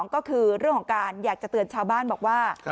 ก็คือเรื่องของการอยากจะเตือนชาวบ้านบอกว่า